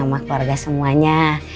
ama keluarga semuanya